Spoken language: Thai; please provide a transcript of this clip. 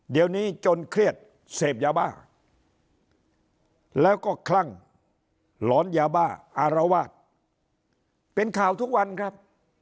เดี๋ยวนี้จนเครียดเสพยาบ้าแล้วก็คลั่งหลอนยาบ้าอารวาสเป็นข่าวทุกวันครับ